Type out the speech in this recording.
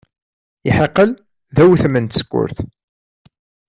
Iḥiqel d awtem n tsekkurt.